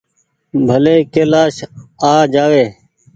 ڀلي ڪيلآش آ جآوي ۔